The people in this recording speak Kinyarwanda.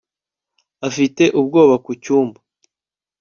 afite ubwoba ku cyumba